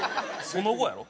「その後」やろ？